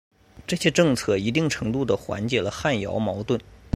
这些政策一定程度的缓解了汉瑶矛盾。